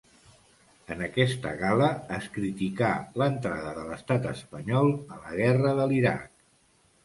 En aquesta gala es criticà l'entrada de l'estat espanyol a la guerra de l'Iraq.